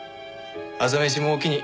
朝飯もおおきに。